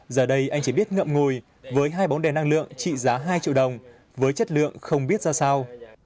giờ đây anh chỉ biết ngậm ngùi với hai bóng đèn năng lượng trị giá hai triệu đồng với chất lượng không biết ra sao